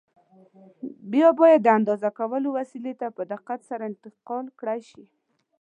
بیا باید د اندازه کولو وسیلې ته په دقت سره انتقال کړای شي.